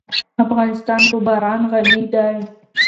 افغانستان په باران غني دی.